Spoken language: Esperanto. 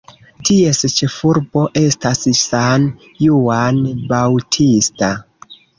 Ties ĉefurbo estas San Juan Bautista.